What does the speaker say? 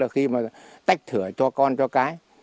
khi mà tách thửa cho con cho cái